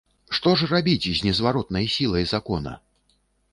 Што ж рабіць з незваротнай сілай закона?